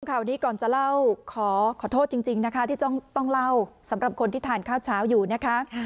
ข่าวนี้ก่อนจะเล่าขอโทษจริงนะคะที่ต้องเล่าสำหรับคนที่ทานข้าวเช้าอยู่นะคะ